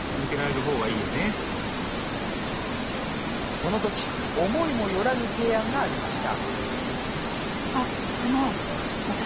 そのとき、思いもよらぬ提案がありました。